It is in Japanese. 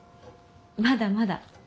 まだまだ。